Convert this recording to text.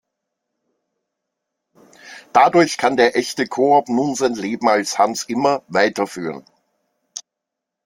Dadurch kann der echte Koob nun sein Leben als Hans Immer weiterführen.